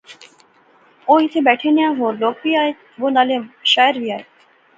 او ایتھیں بیٹھے نیاں ہور لوک وی آئے وہ نالے شاعر وی آئے